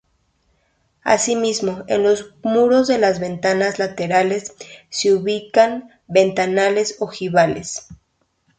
Así mismo en los muros de las naves laterales se ubican ventanales ojivales.